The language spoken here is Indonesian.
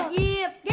gigi gue ntar patah